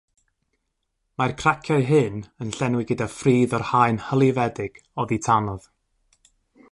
Mae'r craciau hyn yn llenwi gyda phridd o'r haen hylifedig oddi tanodd.